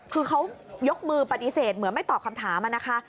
คือเขายกมือปฏิเสธเหมือนไม่ตอบคำถามนะคะ